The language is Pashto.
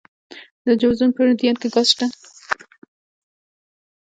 د جوزجان په مردیان کې ګاز شته.